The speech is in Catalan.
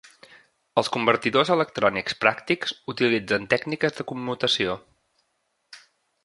Els convertidors electrònics pràctics utilitzen tècniques de commutació.